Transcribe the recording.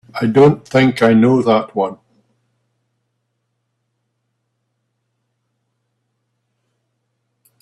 I don't think I know that one.